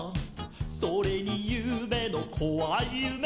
「それにゆうべのこわいゆめ」